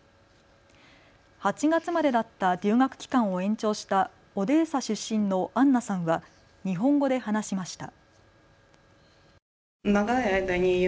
８月までだった留学期間を延長したオデーサ出身のアンナさんは日本語で話しました。